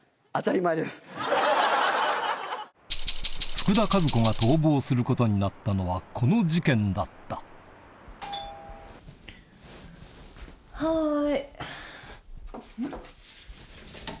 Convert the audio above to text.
福田和子が逃亡することになったのはこの事件だったはい。